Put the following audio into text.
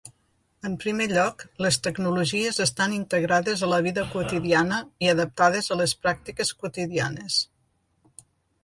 En primer lloc, les tecnologies estan integrades a la vida quotidiana i adaptades a les pràctiques quotidianes.